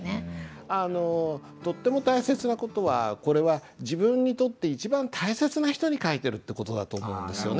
あのとっても大切な事はこれは自分にとって一番大切な人に書いてるって事だと思うんですよね